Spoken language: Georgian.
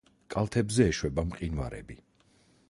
კალთებზე ეშვება მყინვარები.